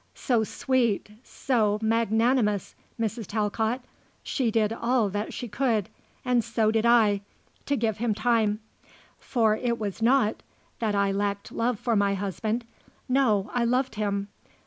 "So sweet, so magnanimous, Mrs. Talcott. She did all that she could and so did I to give him time. For it was not that I lacked love for my husband. No. I loved him.